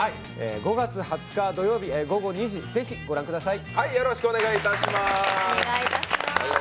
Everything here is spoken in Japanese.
５月２０日土曜日、午後２時ぜひご覧ください。